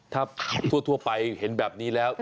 ถ้าทั่วไปเห็นแบบนี้แล้ว